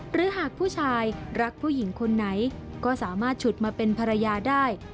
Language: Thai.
หรือหากผู้ชายรักผู้หญิงคนไหนก็สามารถฉุดมาเป็นภรรยาได้